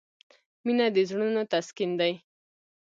• مینه د زړونو تسکین دی.